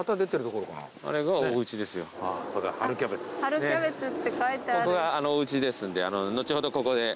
ここがおうちですんで後ほどここで。